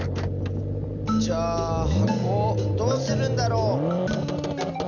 じゃあはこをどうするんだろう？ん。